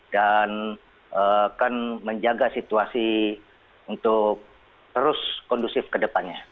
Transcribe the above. dan akan menjaga situasi untuk terus kondusif ke depannya